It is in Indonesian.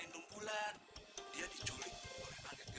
amin ya tuhan